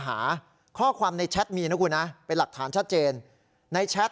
หาข้อความในแชทมีนะคุณนะเป็นหลักฐานชัดเจนในแชท